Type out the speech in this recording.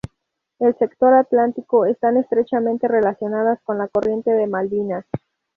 En el sector atlántico están estrechamente relacionadas con la corriente de Malvinas.